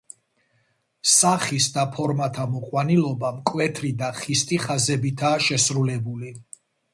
სახის და ფორმათა მოყვანილობა მკვეთრი და ხისტი ხაზებითაა შესრულებული.